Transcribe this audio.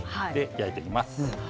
焼いていきます。